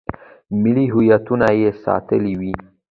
ملي هویتونه یې ساتلي وي.